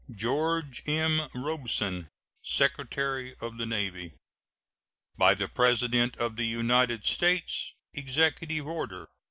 GEO. M. ROBESON, Secretary of the Navy. BY THE PRESIDENT OF THE UNITED STATES. EXECUTIVE ORDER.